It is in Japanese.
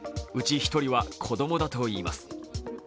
うち１人は子供だといいます。